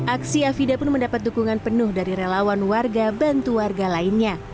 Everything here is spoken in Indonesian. aksi afida pun mendapat dukungan penuh dari relawan warga bantu warga lainnya